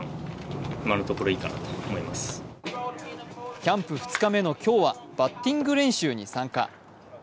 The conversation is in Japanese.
キャンプ２日目の今日はバッティング練習に参加。